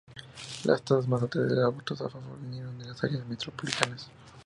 Las tasas más altas de votos a favor vinieron de las áreas metropolitanas.